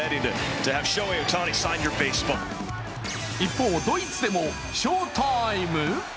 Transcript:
一方、ドイツでもショータイム？